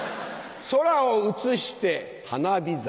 空を映して花火酒。